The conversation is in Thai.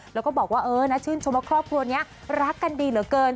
แล้วก็บอกว่าเออนะชื่นชมว่าครอบครัวนี้รักกันดีเหลือเกิน